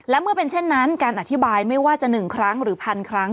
และเมื่อเป็นเช่นนั้นการอธิบายไม่ว่าจะ๑ครั้งหรือพันครั้ง